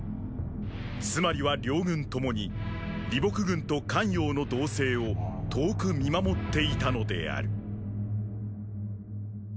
つまりは両軍ともに李牧軍と咸陽の動静を遠く見守っていたのである。